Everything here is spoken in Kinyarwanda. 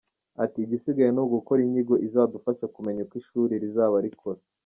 Ati “Igisigaye ni ugukora inyigo izadufasha kumenya uko ishuri rizaba rikora.